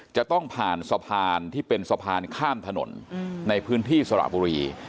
จะต้องผ่านสะพานที่เป็นสะพานข้ามถนนในพื้นที่สระบุรี